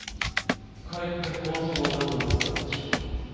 かえって好都合だと思ったんでしょう。